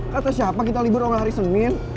kata siapa kita libur awal hari senin